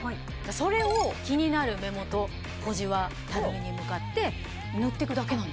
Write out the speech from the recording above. それを気になる目元小じわたるみに向かって塗っていくだけなんですよ。